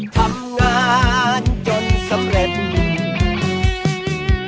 ทำงานจนสำเร็จ